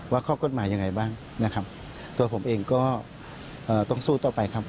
ข้อกฎหมายยังไงบ้างนะครับตัวผมเองก็ต้องสู้ต่อไปครับ